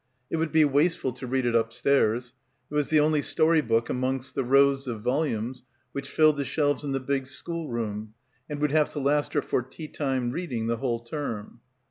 It would be wasteful to read it up stairs. It was, the only story book amongst the rows of volumes which filled the shelves in the big schoolroom and would have to last her for tea time reading the whole term.